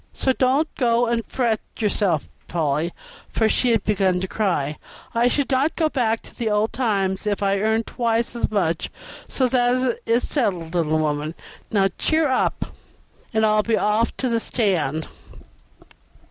So don't go and fret yourself, Polly" (for she had begun to cry); "I would not go back to the old times if I earned twice as much, so that is settled, little woman. Now, cheer up, and I'll be off to the stand."